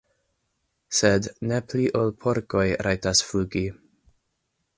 sed ne pli ol porkoj rajtas flugi.